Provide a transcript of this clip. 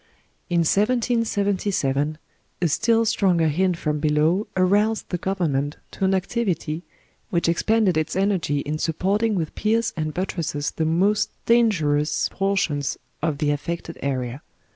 In 1777 a still stronger hint from below aroused the government to an activity, which expended its eneigy in supporting with piers and buttresses the most dangerous 133 124 PARIS portions of the afFected area.